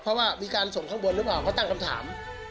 เพราะว่ามีการส่งข้างบนหรือเปล่าเขาตั้งคำถาม